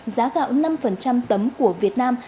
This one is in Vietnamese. giá gạo năm tấm của việt nam